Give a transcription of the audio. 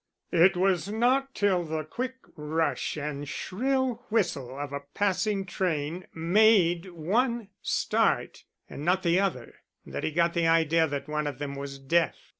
It was not till the quick rush and shrill whistle of a passing train made one start and not the other, that he got the idea that one of them was deaf.